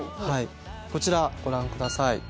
こちらご覧下さい。